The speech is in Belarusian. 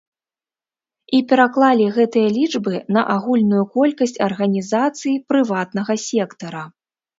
І пераклалі гэтыя лічбы на агульную колькасць арганізацый прыватнага сектара.